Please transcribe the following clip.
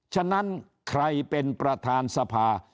ฉะนั้นใครเป็นประธานสภา